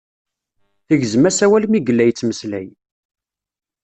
Tegzem-as as awal mi yella yettmeslay.